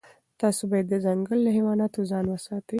تاسي باید د ځنګل له حیواناتو ځان وساتئ.